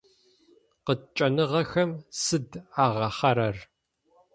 Къыткӏэныгъэхэм сыд агъахъэрэр?